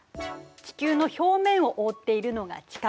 地球の表面をおおっているのが地殻。